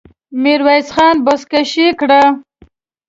ميرويس خان پزه کش کړه.